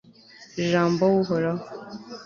jambo waw'uhoraho